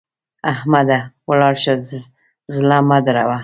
احمده! ولاړ شه؛ زړه مه دربوه.